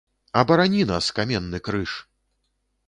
Абарані нас, каменны крыж!